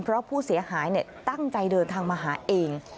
เพราะผู้เสียหายตั้งใจเดินทางมาหาเอง